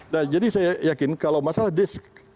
nah jadi saya yakin kalau masalah desk